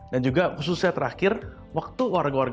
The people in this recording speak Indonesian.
dan juga khususnya terakhir waktu warga warga